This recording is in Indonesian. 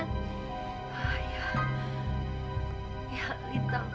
ayah ya lintang